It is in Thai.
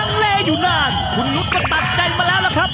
เลอยู่นานคุณนุษย์ก็ตัดใจมาแล้วล่ะครับ